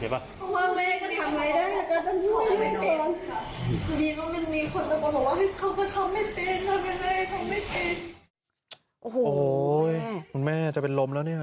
มันแม่จะเป็นลมแล้วเนี่ย